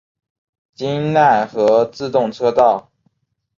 京奈和自动车道。